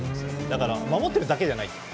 だから守っているだけじゃない。